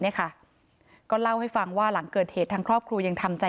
เนี่ยค่ะก็เล่าให้ฟังว่าหลังเกิดเหตุทางครอบครัวยังทำใจ